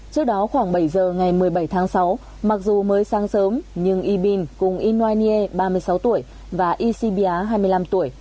trước đó khoảng bảy giờ ngày một mươi bảy tháng sáu mặc dù mới sang sớm nhưng ybin cùng ynoanye ba mươi sáu tuổi và ysi bia hai mươi năm tuổi